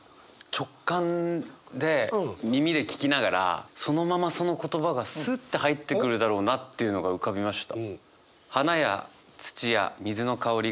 直感で耳で聞きながらそのままその言葉がスッて入ってくるだろうなっていうのが浮かびました。